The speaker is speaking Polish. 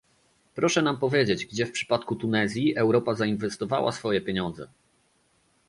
proszę nam powiedzieć, gdzie w przypadku Tunezji Europa zainwestowała swoje pieniądze